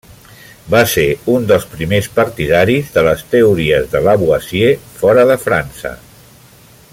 Va ser un dels primers partidaris de les teories de Lavoisier fora de França.